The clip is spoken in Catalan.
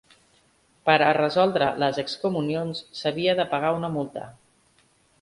Per a resoldre les excomunions s'havia de pagar una multa.